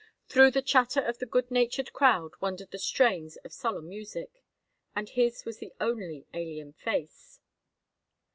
Through the chatter of the good natured crowd wandered the strains of solemn music, and his was the only alien face.